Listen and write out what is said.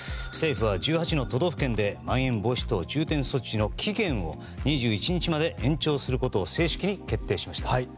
政府は１８の都道府県でまん延防止等重点措置の期限を２１日まで延長することを正式に決定しました。